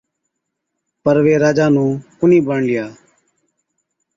پَر وي راجا نُون ڪونهِي بڻلِيا،